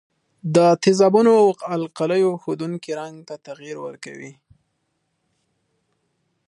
د تیزابونو او القلیو ښودونکي رنګ ته تغیر ورکوي.